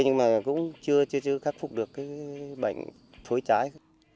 nhưng mà cũng chưa khắc phục được cái bệnh thối trái